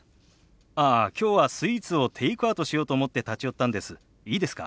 ああきょうはスイーツをテイクアウトしようと思って立ち寄ったんです。